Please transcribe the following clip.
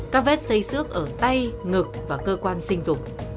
các vết xây xước ở tay ngực và cơ quan sinh dục